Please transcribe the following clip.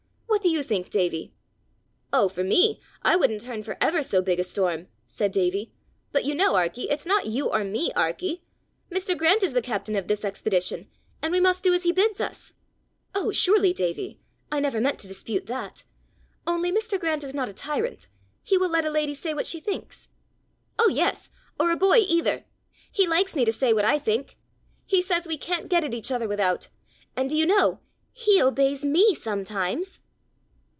What do you think, Davie?" "Oh, for me, I wouldn't turn for ever so big a storm!" said Davie; "but you know, Arkie, it's not you or me, Arkie! Mr. Grant is the captain of this expedition, and we must do as he bids us." "Oh, surely, Davie! I never meant to dispute that. Only Mr. Grant is not a tyrant; he will let a lady say what she thinks!" "Oh, yes, or a boy either! He likes me to say what I think! He says we can't get at each other without. And do you know he obeys me sometimes!"